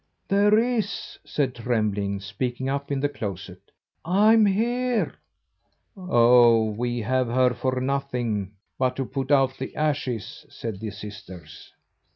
"There is," said Trembling, speaking up in the closet; "I'm here." "Oh! we have her for nothing but to put out the ashes," said the sisters.